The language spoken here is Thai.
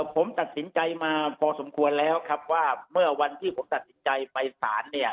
ผมตัดสินใจมาพอสมควรแล้วครับว่าเมื่อวันที่ผมตัดสินใจไปสารเนี่ย